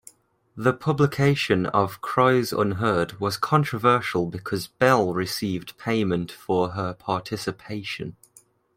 The publication of "Cries Unheard" was controversial because Bell received payment for her participation.